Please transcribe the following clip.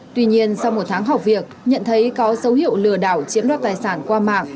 tuy nhiên sau một tháng học việc nhận thấy có dấu hiệu lừa đảo chiếm đoạt tài sản qua mạng